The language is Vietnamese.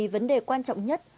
vấn đề quan trọng nhất